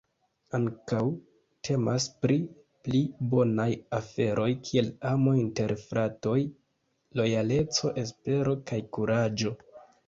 Ankaŭ temas pri pli bonaj aferoj kiel amo inter fratoj, lojaleco, espero kaj kuraĝo.